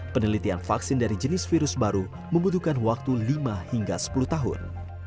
penelitian vaksin dari jenis virus baru membutuhkan waktu lima hingga sepuluh tahun